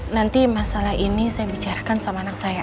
nanti masalah ini saya bicarakan sama anak saya